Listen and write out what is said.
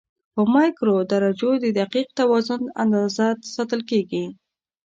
په مایکرو درجو د دقیق توازن اندازه ساتل کېږي.